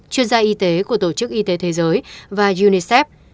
chuyên gia y tế của tổ chức y tế thế giới và unicef